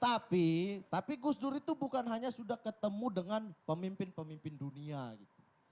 tapi tapi gus dur itu bukan hanya sudah ketemu dengan pemimpin pemimpin dunia gitu